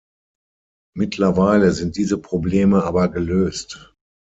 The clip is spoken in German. Mittlerweile sind diese Probleme aber gelöst.